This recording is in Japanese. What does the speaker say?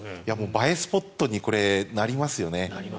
映えスポットになりますよね。